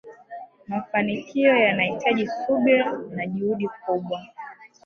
mafanikio yanahitaji subira na juhudi kubwa